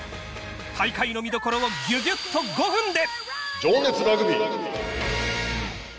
大会の見どころをぎゅぎゅっと５分で。